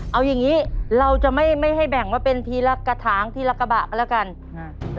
เอาอย่างงี้เราจะไม่ไม่ให้แบ่งว่าเป็นทีละกระถางทีละกระบะก็แล้วกันฮะ